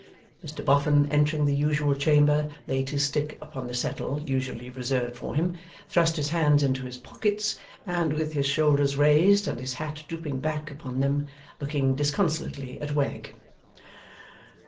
Mr Boffin, entering the usual chamber, laid his stick upon the settle usually reserved for him, thrust his hands into his pockets, and, with his shoulders raised and his hat drooping back upon them, looking disconsolately at Wegg.